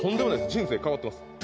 人生変わってますえ！